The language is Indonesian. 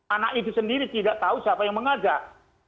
anak itu sendiri tidak tahu siapa yang mengajak